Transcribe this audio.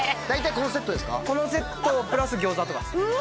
このセットプラス餃子とかっす